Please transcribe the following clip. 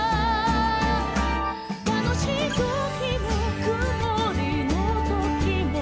「たのしいときもくもりのときも」